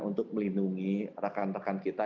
untuk melindungi rekan rekan kita